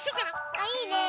あいいね。